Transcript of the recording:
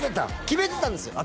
決めてたんですよ